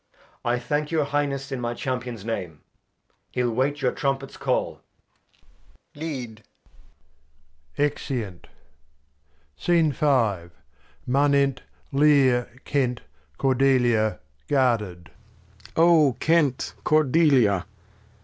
I thank your Highness in my Champion's Name, He'U wait your Trumpet's Call. Alb. Lead. {Exeunt. Manent Lear, Kent, Cordelia, guarded. Lear. O Kent, Cordelia